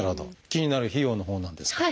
気になる費用のほうなんですが。